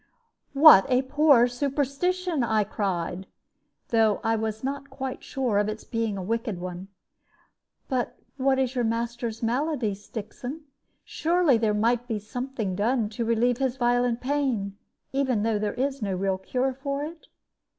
"What a poor superstition!" I cried, though I was not quite sure of its being a wicked one. "But what is your master's malady, Stixon? Surely there might be something done to relieve his violent pain, even if there is no real cure for it?"